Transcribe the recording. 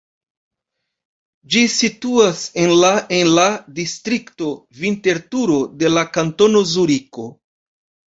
Ĝi situas en la en la distrikto Vinterturo de la Kantono Zuriko.